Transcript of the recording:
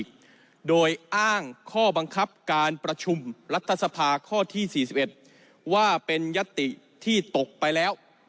การประชุมรัฐสภาค่อที่๔๑ว่าเป็นยศติที่ตกไปแล้ว